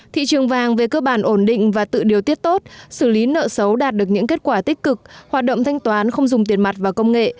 thị trường vàng về cơ bản ổn định và tự điều tiết tốt xử lý nợ xấu đạt được những kết quả tích cực hoạt động thanh toán không dùng tiền mặt và công nghệ